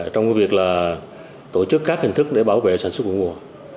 trong việc tổ chức các hình thức để bảo vệ sản xuất vụ mùa